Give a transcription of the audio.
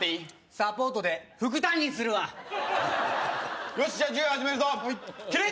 サポートで副担任するわよしじゃあ授業始めるぞはい